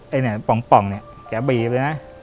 ไอ้ป่องแกบีบเลยนะ